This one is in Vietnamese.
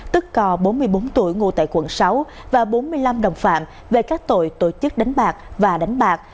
tức cò bốn mươi bốn tuổi ngụ tại quận sáu và bốn mươi năm đồng phạm về các tội tổ chức đánh bạc và đánh bạc